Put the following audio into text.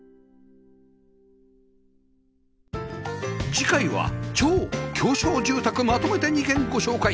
次回は超狭小住宅まとめて２軒ご紹介